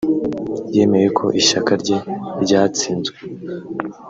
yemeye ko ishyaka rye ryatsinzwe